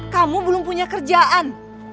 kamu belum punya kerjaan